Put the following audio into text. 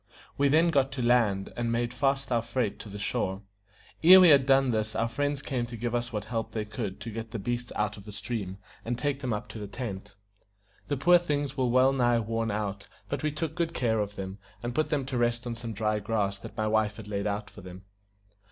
We then got to land, and made fast our freight to the shore. Ere we had done this our friends came to give us what help they could to get the beasts out of the stream, and take them up to the tent. The poor things were well nigh worn out; but we took good care of them, and put them to rest on some dry grass that my wife had laid out for them.